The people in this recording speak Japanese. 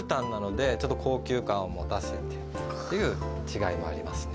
ちょっと高級感を持たせてっていう違いもありますね。